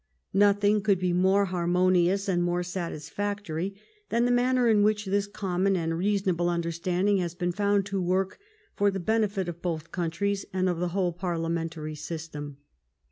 Nothing could be more harmonious and more satisfactory than the manner in which this common and reasonable understanding has been found to work for the benefit of both countries and of the whole parliamentary system.